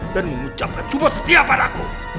dan mengucapkan sumber setia pada aku